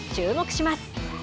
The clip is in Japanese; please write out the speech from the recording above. します。